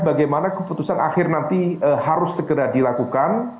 bagaimana keputusan akhir nanti harus segera dilakukan